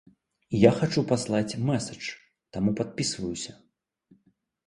Я хачу паслаць мэсэдж, таму падпісваюся.